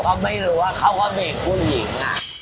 เพราะไม่รู้ว่าเขาก็เป็นกุ้งหญิง